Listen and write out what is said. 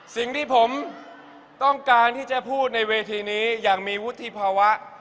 สิ่งที่ผมต้องการที่จะพูดในเวทีนี้อย่างมีวุฒิภาวะ